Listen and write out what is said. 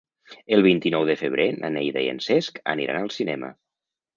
El vint-i-nou de febrer na Neida i en Cesc aniran al cinema.